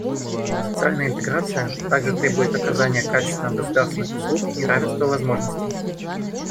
Социальная интеграция также требует оказания качественных государственных услуг и равенства возможностей.